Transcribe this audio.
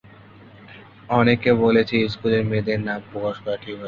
অনেকে বলেছে স্কুলের মেয়েদের নাম প্রকাশ করা ঠিক হয়নি।